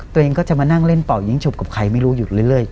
ตัวเองก็จะมานั่งเล่นเป่ายิงฉุบกับใครไม่รู้อยู่เรื่อย